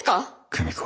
久美子